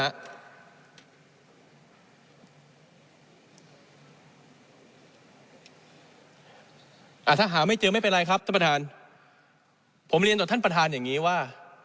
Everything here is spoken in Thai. ถ้าหาไม่เจอไม่เป็นไรครับท่านประธานผมเรียนต่อท่านประธานอย่างนี้ว่า